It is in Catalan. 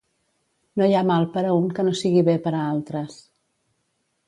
No hi ha mal per a un que no sigui bé per a altres.